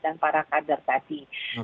dan para kader tadi